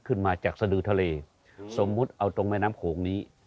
ขึ้นมาจากสดือทะเลสมมุติเอาตรงแม่น้ำโขงนี้